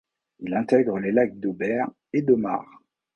Il intègre les lacs d'Aubert et d'Aumar.